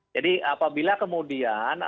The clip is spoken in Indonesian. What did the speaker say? jadi apabila kemudian